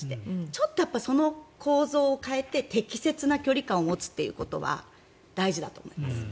ちょっとその構造を変えて適切な距離感を持つということは大事だと思います。